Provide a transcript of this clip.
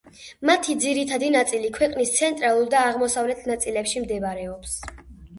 მათი ძირითადი ნაწილი ქვეყნის ცენტრალურ და აღმოსავლეთ ნაწილებში მდებარეობს.